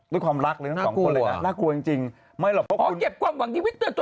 แต่คุณสายบวก